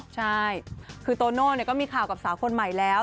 ใช่คือโตโน่ก็มีข่าวกับสาวคนใหม่แล้ว